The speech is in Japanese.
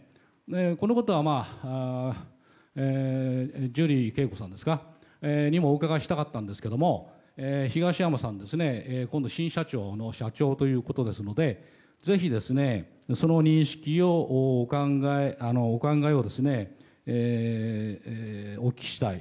このことはジュリー景子さんにもお伺いしたかったんですけど東山さん、今度社長ということですのでぜひ、その認識のお考えをお聞きしたい。